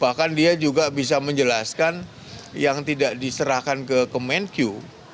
bahkan dia juga bisa menjelaskan yang tidak diserahkan ke kemenkyu